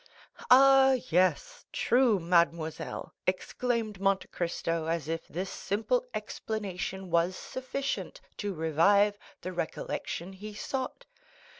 "Ah, yes—true, mademoiselle," exclaimed Monte Cristo as if this simple explanation was sufficient to revive the recollection he sought.